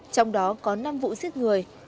trong đó có năm vụ giết người